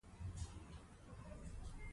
د کار او استراحت تر منځ توازن ساتل اړین دي.